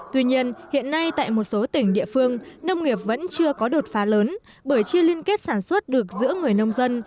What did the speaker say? tuy nhiên hiện nay tại một số tỉnh địa phương nông nghiệp vẫn chưa có đột phá lớn bởi chưa liên kết sản xuất được giữa người nông dân